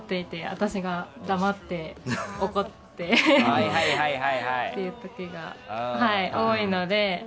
私が、黙って怒ってという時が多いので。